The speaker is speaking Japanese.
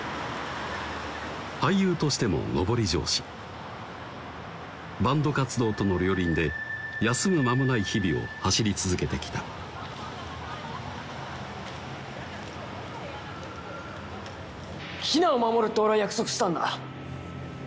俳優としても上り調子バンド活動との両輪で休む間もない日々を走り続けてきた「ヒナを守るって俺は約束したんだ」